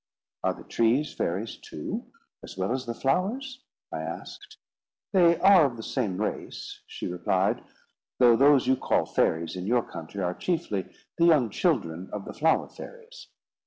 "Are the trees fairies too, as well as the flowers?" I asked. "They are of the same race," she replied; "though those you call fairies in your country are chiefly the young children of the flower fairies.